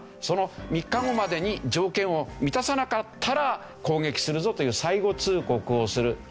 「その３日後までに条件を満たさなかったら攻撃するぞ」という最後通告をする。